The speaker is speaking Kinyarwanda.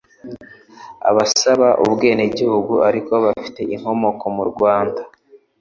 Abasaba ubwenegihugu ariko bafite inkomoko mu Rwanda,